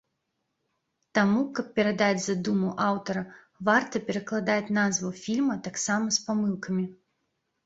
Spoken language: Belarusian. Таму, каб перадаць задуму аўтара, варта перакладаць назву фільма таксама з памылкамі.